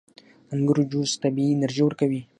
• د انګورو جوس طبیعي انرژي ورکوي.